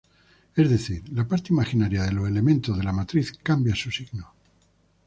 Es decir, la parte imaginaria de los elementos de la matriz cambia su signo.